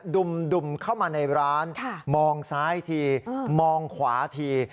ดุมดุมเข้ามาในร้านค่ะมองซ้ายทีเออมองขวาที